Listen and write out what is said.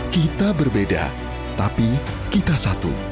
kita berbeda tapi kita satu